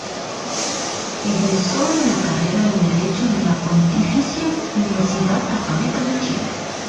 Egresó de la carrera de Derecho de la Pontificia Universidad Católica de Chile.